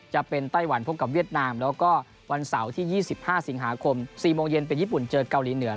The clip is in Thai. ไต้หวันพบกับเวียดนามแล้วก็วันเสาร์ที่๒๕สิงหาคม๔โมงเย็นเป็นญี่ปุ่นเจอเกาหลีเหนือ